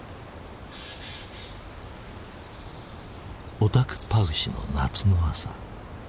オタクパウシの夏の朝。